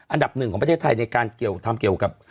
อันดับหนึ่งของประเทศไทยในการทำเกี่ยวกับ